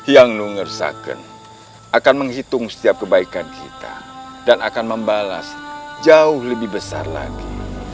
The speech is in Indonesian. yang nu nger second akan menghitung setiap kebaikan kita dan akan membalas jauh lebih besar lagi